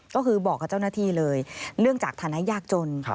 ก็คือบอกกับเจ้าหน้าที่เลยเนื่องจากฐานะยากจน